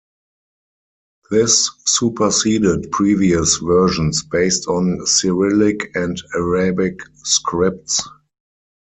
This superseded previous versions based on Cyrillic and Arabic scripts.